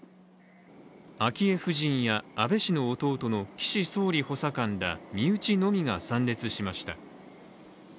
昭恵夫人や安倍氏の弟の岸総理補佐官ら身内のみが参列しました。